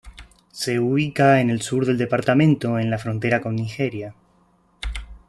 Se ubica en el sur del departamento, en la frontera con Nigeria.